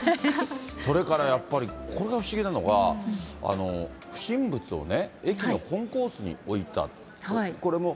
それからやっぱり、これが不思議なのが、不審物をね、駅のコンコースに置いた。